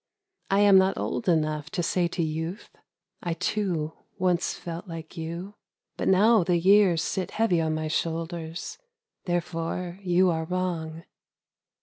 1 am not old enough to say to youth, I too once felt like you. But now the years Sit heavy on my shoulders — therefore you are wrong.'